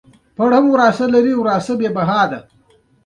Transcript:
د ناکامۍ وېره ده دا اصلي خنډ بلل کېږي.